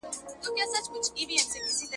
د کار ځواک د کمښت ستونزه د صنعت لپاره خطر دی.